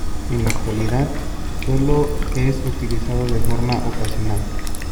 En la actualidad, solo es utilizado de forma ocasional.